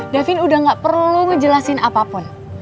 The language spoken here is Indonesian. davin udah gak perlu ngejelasin apapun